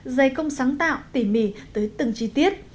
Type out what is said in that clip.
dày công sáng tạo tỉ mỉ tới từng chi tiết